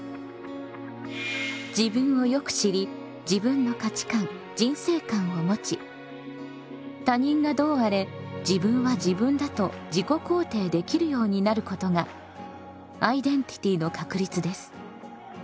自分をよく知り自分の価値観・人生観をもち他人がどうあれ「自分は自分だと自己肯定」できるようになることがアイデンティティの確立です。